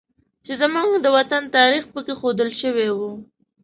چې زموږ د وطن تاریخ پکې ښودل شوی و